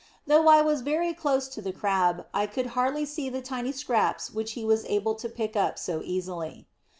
Though I was very close to the Crab, I could hardly see the tiny scraps which he was able to pick up so easily.